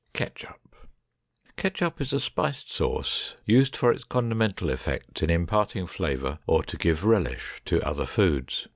KETCHUP Ketchup is a spiced sauce used for its condimental effect in imparting flavor, or to give relish to other foods.